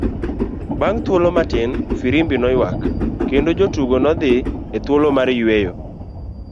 Bang' thuolo matin, firimbi noyuak kendo jotugo nodhi e thuolo mar yueyo.